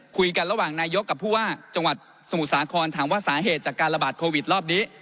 คุยกันระหว่างนายกกับผู้ว่าจังหวัดสมุทรสาครถามว่าสาเหตุจากการระบาดโควิดรอบนี้